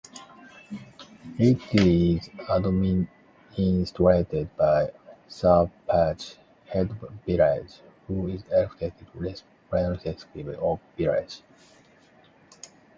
It is administrated by Sarpanch (Head of Village) who is elected representative of village.